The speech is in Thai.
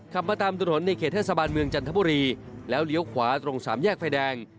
ขับมาตามถนนในเขตเทศบาลเมืองจันทบุรีแล้วเลี้ยวขวาตรงสามแยกไฟแดง